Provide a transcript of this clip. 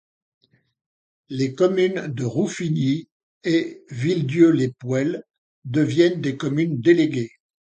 Les communes de Rouffigny et Villedieu-les-Poêles deviennent des communes déléguées.